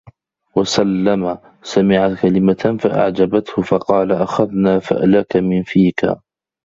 وَسَلَّمَ سَمِعَ كَلِمَةً فَأَعْجَبَتْهُ فَقَالَ أَخَذْنَا فَأْلَكَ مِنْ فِيكَ